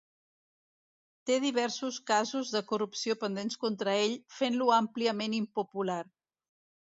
Té diversos casos de corrupció pendents contra ell, fent-lo àmpliament impopular.